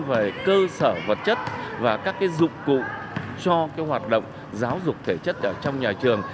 về cơ sở vật chất và các dụng cụ cho hoạt động giáo dục thể chất trong nhà trường